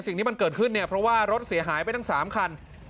สิ่งที่มันเกิดขึ้นเนี่ยเพราะว่ารถเสียหายไปทั้ง๓คัน